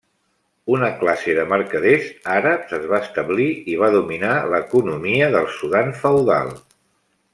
Una classe de mercaders àrabs es va establir i va dominar l'economia del Sudan feudal.